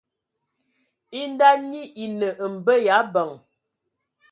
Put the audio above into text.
E nda nyi e nə mbə ya abəŋ.